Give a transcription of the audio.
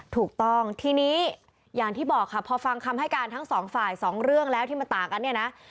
ถูกต้องทีนี้อย่างที่บอกค่ะพอฟังคำให้การทั้งสองฝ่ายสองเรื่องแล้วที่มันต่างกันเนี่ยนะ